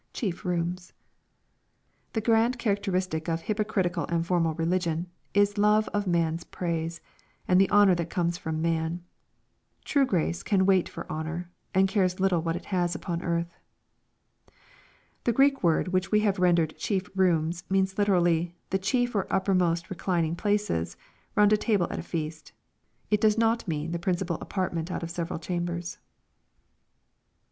chief rooms!] The grand characteristic of hypo critical and formal religion, is love of man's praise, and the honor that comes from man. True grace can wait for honor, and carea little what it has upon earth. The Greek word which we have rendered '* chief rooms,'* meana literally, " the chief or uppermost reclining places" round a table at a feast It does not mean the principal apartment out of seve ral chambers.